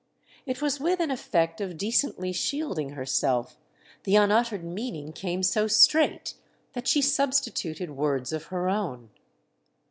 It was with an effect of decently shielding herself—the unuttered meaning came so straight—that she substituted words of her own.